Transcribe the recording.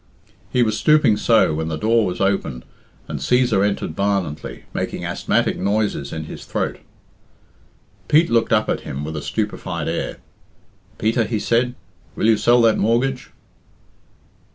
He was stooping so when the door was opened and Cæsar entered violently, making asthmatic noises in his throat. Pete looked up at him with a stupefied air. "Peter," he said, "will you sell that mortgage?"